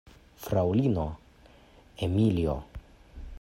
Fraŭlino Emilio!